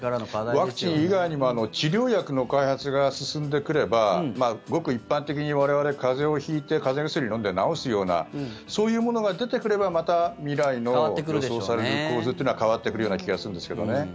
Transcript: ワクチン以外にも治療薬の開発が進んでくればごく一般的に、我々風邪を引いて風邪薬を飲んで治すようなそういうものが出てくればまた未来の予想される構図というのは変わってくるような気がするんですけどね。